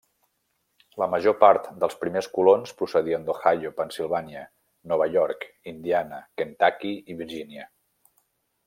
La major part dels primers colons procedien d'Ohio, Pennsilvània, Nova York, Indiana, Kentucky i Virgínia.